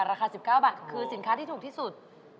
ราคา๑๙บาทคือสินค้าที่ถูกที่สุด